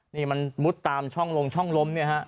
นี่มันมุดตามช่องลงช่องล้มเนี่ยฮะ